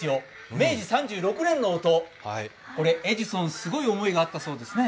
明治３６年の音、エジソンすごい思いがあったそうですね。